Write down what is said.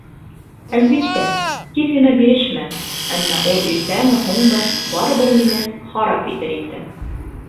Әлбиттә, тиҙ генә бирешмәм, әммә ул иртәме, һуңмы, барыбер мине харап итер инде.